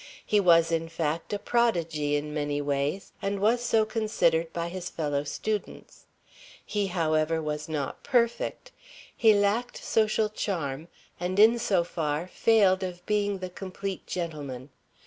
He was, in fact, a prodigy in many ways, and was so considered by his fellow students. He, however, was not perfect; he lacked social charm, and in so far failed of being the complete gentleman.